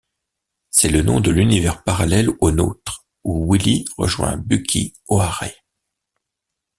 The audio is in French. C'est le nom de l'Univers parallèle au nôtre, où Willy rejoint Bucky O'Hare.